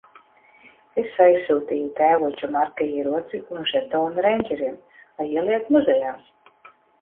Es aizsūtīju tēvoča Marka ieroci un žetonu reindžeriem - lai ieliek muzejā.